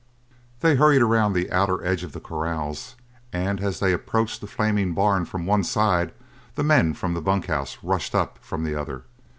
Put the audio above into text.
They hurried around the outer edge of the corrals, and as they approached the flaming barn from one side the men from the bunk house rushed up from the other.